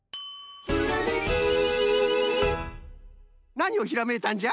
なにをひらめいたんじゃ？